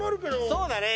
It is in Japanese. そうだね。